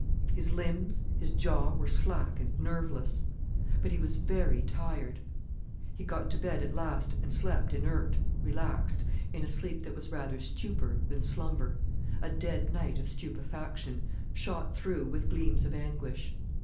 His limbs, his jaw, were slack and nerveless. But he was very tired. He got to bed at last, and slept inert, relaxed, in a sleep that was rather stupor than slumber, a dead night of stupefaction shot through with gleams of anguish.